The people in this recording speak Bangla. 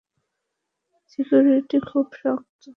সিকিউরিটি খুবই শক্ত।